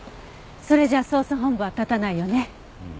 それじゃ捜査本部は立たないよね。